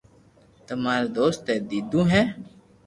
تماري دوست اي ديدو ھي